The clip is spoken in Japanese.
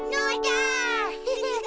フフフ。